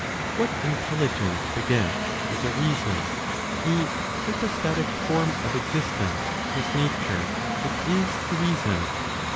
What Intelligence begets is a reason, a hypostatic form of existence whose nature it is to reason.